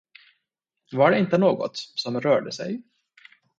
Var det inte något, som rörde sig?